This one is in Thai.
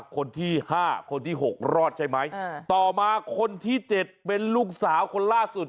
คนที่๕คนที่๖รอดใช่ไหมต่อมาคนที่๗เป็นลูกสาวคนล่าสุด